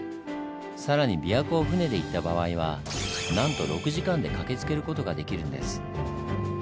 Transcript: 更に琵琶湖を船で行った場合はなんと６時間で駆けつける事ができるんです。